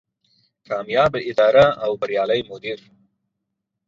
کاميابه اداره او بريالی مدير